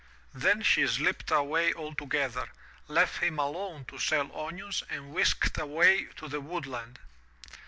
Then she slipped away altogether, left him alone to sell onions and whisked away to the woodland.